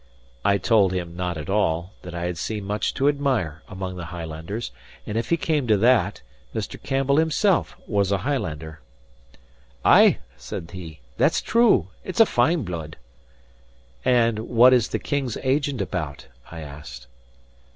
I told him not at all; that I had seen much to admire among the Highlanders; and if he came to that, Mr. Campbell himself was a Highlander. "Ay," said he, "that's true. It's a fine blood." "And what is the King's agent about?" I asked.